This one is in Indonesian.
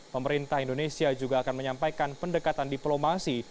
pemerintah indonesia juga akan menyampaikan pendekatan diplomasi